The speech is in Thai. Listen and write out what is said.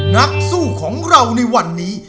นักสู้ของเราในวันนี้